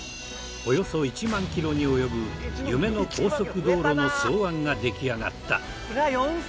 およそ１万キロに及ぶ夢の高速道路の草案ができあがった。